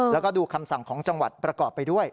แล้วก็ดูคำสั่งของจังหวัดประกอบไปด้วย